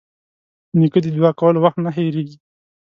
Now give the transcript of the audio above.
نیکه د دعا کولو وخت نه هېرېږي.